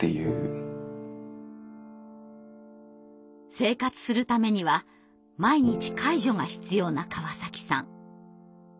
生活するためには毎日介助が必要な川崎さん。